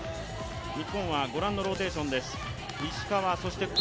日本はご覧のローテーションです。